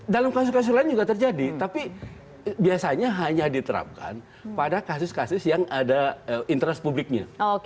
dalam kasus kasus lain juga terjadi tapi biasanya hanya diterapkan pada kasus kasus yang ada interest publiknya